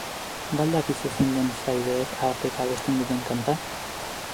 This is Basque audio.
Ba al dakizue zein den fraideek ahapeka abesten duten kanta?